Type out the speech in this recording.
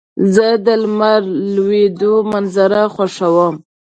زه د لمر لوېدو منظر خوښوم.